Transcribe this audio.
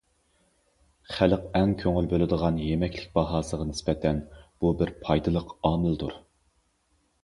خەلق ئەڭ كۆڭۈل بۆلىدىغان يېمەكلىك باھاسىغا نىسبەتەن، بۇ بىر پايدىلىق ئامىلدۇر.